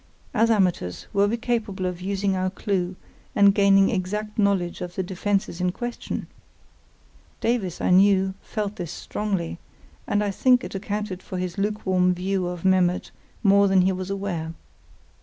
As amateurs, were we capable of using our clue and gaining exact knowledge of the defences in question? Davies, I knew, felt this strongly, and I think it accounted for his lukewarm view of Memmert more than he was aware.